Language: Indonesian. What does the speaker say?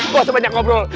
kok sebanyak ngobrol